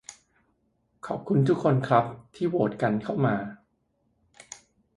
ขอบคุณทุกคนครับ ที่โหวตก้นเข้ามา